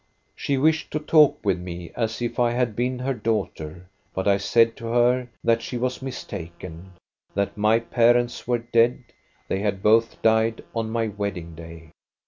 " She wished to talk with me, as if I had been her daughter, but I said to her that she was mistaken, that my parents were dead, they had both died on my wedding day.